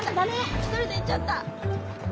１人で行っちゃった。